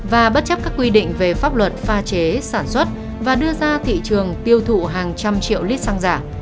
và bất chấp các quy định về pháp luật pha chế sản xuất và đưa ra thị trường tiêu thụ hàng trăm triệu lít xăng giả